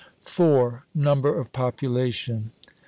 _Number of Population.